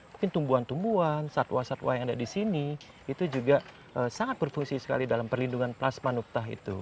mungkin tumbuhan tumbuhan satwa satwa yang ada di sini itu juga sangat berfungsi sekali dalam perlindungan plasma nuktah itu